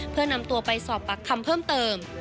เพื่อนำตัวไปสอบปากคำเพิ่มเติม